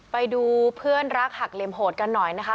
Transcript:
ไปดูเพื่อนรักหักเหลี่ยมโหดกันหน่อยนะคะ